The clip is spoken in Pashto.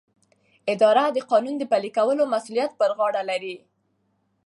اداره د قانون د پلي کولو مسؤلیت پر غاړه لري.